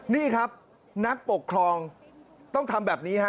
นี่ครับนักปกครองต้องทำแบบนี้ฮะ